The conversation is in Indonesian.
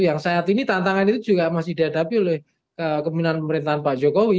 yang saat ini tantangan itu juga masih dihadapi oleh keminan pemerintahan pak jokowi